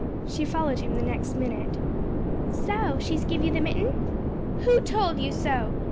She followed him the next minute. "So she's give you the mitten?" "Who told you so?"